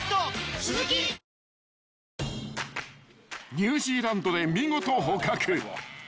［ニュージーランドで見事捕獲］